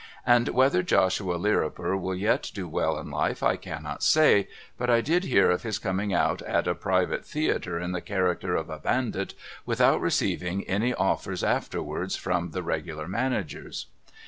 And whether Joshua Lirriper will yet do well in life I cannot say, but I did hear of his coming out at a Private Theatre in the character of a Bandit without receiving any offers afterwards from the regular managers.